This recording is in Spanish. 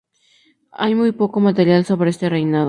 Hay muy poco material sobre este reinado.